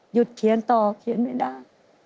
เขียนต่อเขียนไม่ได้